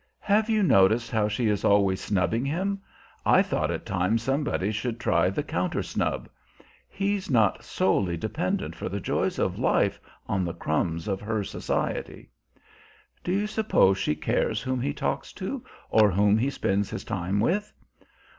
"Have you noticed how she is always snubbing him? I thought it time somebody should try the counter snub. He's not solely dependent for the joys of life on the crumbs of her society." "Do you suppose she cares whom he talks to, or whom he spends his time with?"